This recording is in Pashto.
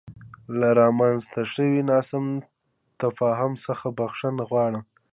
له رامنځته شوې ناسم تفاهم څخه بخښنه غواړم.